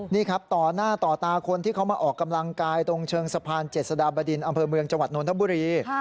นี่ครับต่อหน้าต่อตาคนที่เขามาออกกำลังกายตรงเชิงสะพานเจษฎาบดินอำเภอเมืองจังหวัดนทบุรี